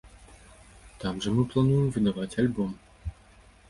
Там жа мы плануем выдаваць альбом.